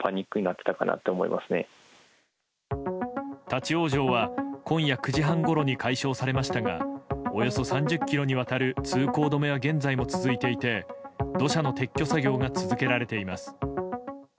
立ち往生は今夜９時半ごろに解消されましたがおよそ３０ｋｍにわたる通行止めは現在も続いていて土砂の撤去作業が続けられています。